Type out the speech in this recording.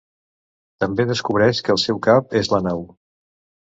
També descobreix que el seu cap és a la nau.